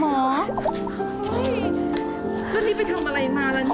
เฮ้ยแล้วนี่ไปทำอะไรมาแล้วเนี่ย